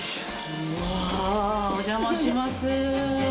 わあお邪魔します。